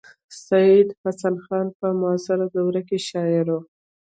سید حسن خان په معاصره دوره کې شاعر و.